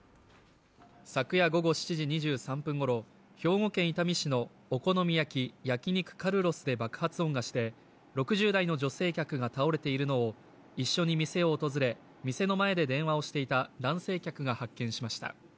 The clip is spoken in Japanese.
昨夜午後７時２３分ごろ、兵庫県伊丹市のお好み焼焼肉かるろすで爆発音がして６０代の女性客が倒れているのを、一緒に店を訪れ店の前で電話をしていた男性客が発見しました。